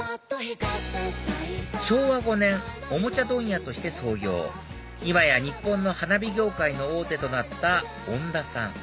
昭和５年おもちゃ問屋として創業今や日本の花火業界の大手となったオンダさん